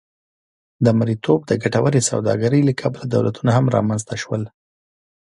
د مریتوب د ګټورې سوداګرۍ له کبله دولتونه هم رامنځته شول.